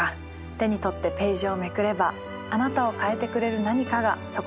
手に取ってページをめくればあなたを変えてくれる何かがそこにあるかもしれません。